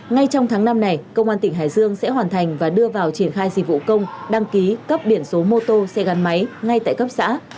ngay trong tháng năm này công an tỉnh hải dương sẽ hoàn thành và đưa vào triển khai dịch vụ công đăng ký cấp biển số mô tô xe gắn máy ngay tại cấp xã